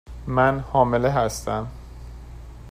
من حامله هستم.